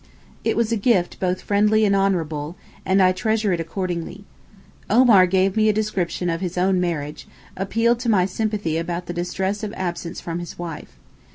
It was a gift both friendly and honourable, and I treasure it accordingly. Omar gave me a description of his own marriage, appealing to my sympathy about the distress of absence from his wife.